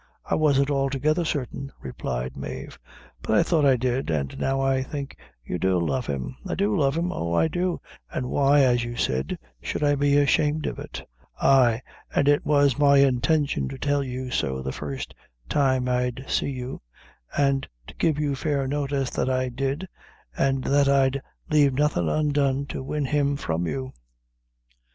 "I wasn't altogether certain," replied Mave, "but I thought I did an' now I think you do love him." "I do love him oh, I do an' why as you said, should I be ashamed of it? ay, an' it was my intention to tell you so the first time I'd see you, an' to give you fair notice that I did, an' that I'd lave nothing undone to win him from you."